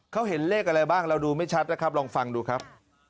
เขาเห็นเลขอะไรบ้างเราดูไม่ชัดนะครับลองฟังดูครับ